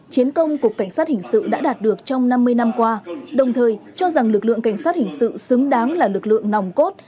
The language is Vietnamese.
chiến công cục cảnh sát hình sự đã đạt được trong năm mươi năm qua đồng thời cho rằng lực lượng cảnh sát hình sự xứng đáng là lực lượng nòng cốt